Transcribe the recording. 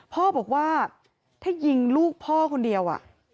พ่อบอกว่าถ้ายิงลูกพ่อคนเดียว